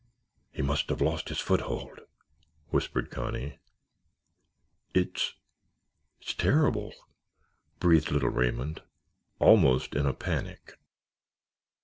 "He must have lost his foothold," whispered Connie. "It's—it's terrible," breathed little Raymond, almost in a panic.